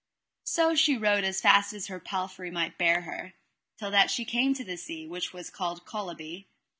So she rode as fast as her palfrey might bear her, till that she came to the sea, the which was called Collibe.